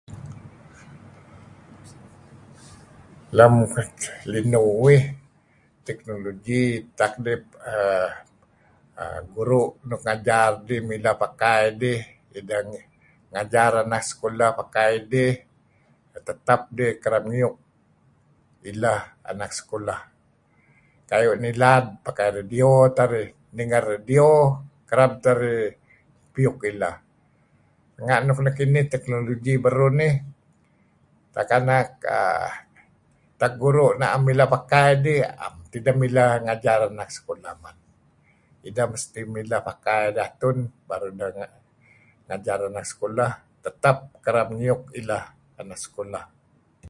Lem linuh uih technology tak dih err guru' nuk ngajar dih mileh pakai dih, ideh ngajar anak sekulah pakai idih tetap idih kereb ngiyuk ileh anak sekulah. Kayu' nilad pakai radio teh arih, ninger radio kereb teh arih piyuk ileh. Nga' nuk nekinih technology beruh nih tak anak err tak guru' na'em mileh pakai dih 'am tideh mileh ngajar anak sekulah kineh men. Ideh mesti mileh pakai idih atun baru ideh ngajar anak sekulah , tetap kereb ngiyuk ileh anak sekulah.